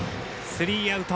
スリーアウト。